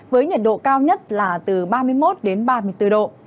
với nhiệt độ cao nhất là từ ba mươi một đến ba mươi bốn độ